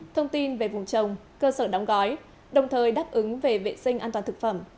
thông tin về vùng trồng cơ sở đóng gói đồng thời đáp ứng về vệ sinh an toàn thực phẩm